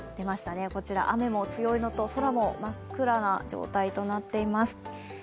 雨も強いのと、空も真っ暗な状態となっています。